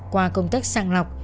qua công tác sàng lọc